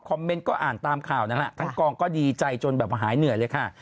เมนต์ก็อ่านตามข่าวนั่นแหละทั้งกองก็ดีใจจนแบบหายเหนื่อยเลยค่ะ